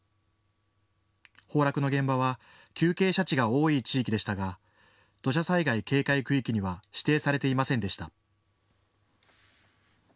崩落の現場は急傾斜地が多い地域でしたが土砂災害警戒区域には指定されていませんでした。